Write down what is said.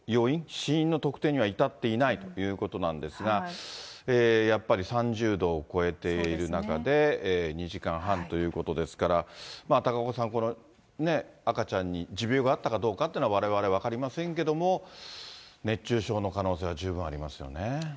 死因の特定には至っていないということなんですが、やっぱり３０度を超えている中で、２時間半ということですから、高岡さん、この赤ちゃんに持病があったかどうかというのはわれわれ分かりませんけども、熱中症の可能性は十分ありますよね。